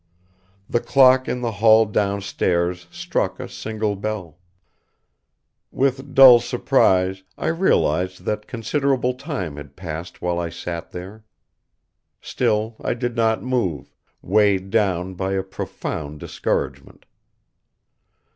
The clock in the hall downstairs struck a single bell. With dull surprise I realized that considerable time had passed while I sat there. Still I did not move, weighed down by a profound discouragement.